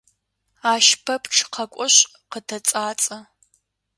Ащ пэпчъ къэкӏошъ къытэцӏацӏэ.